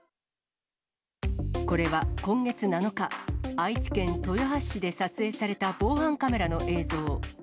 これは今月７日、愛知県豊橋市で撮影された防犯カメラの映像。